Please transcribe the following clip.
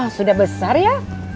sudah besar ya